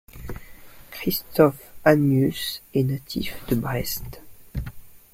Christophe Agnus est natif de Brest.